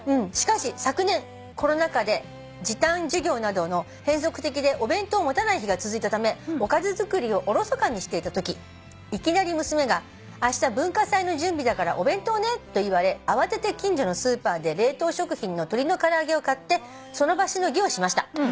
「しかし昨年コロナ禍で時短授業などの変則的でお弁当を持たない日が続いたためおかず作りをおろそかにしていたときいきなり娘が『あした文化祭の準備だからお弁当ね』と言われ慌てて近所のスーパーで冷凍食品の鶏の唐揚げを買ってその場しのぎをしました」